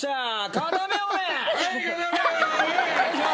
お願いしまーす。